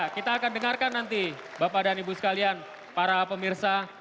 kita akan dengarkan nanti bapak dan ibu sekalian para pemirsa